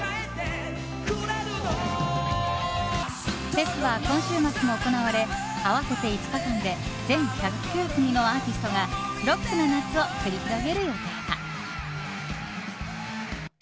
フェスは今週末も行われ合わせて５日間で全１０９組のアーティストがロックな夏を繰り広げる予定だ。